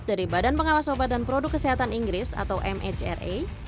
dari badan pengawas obat dan produk kesehatan inggris atau mhra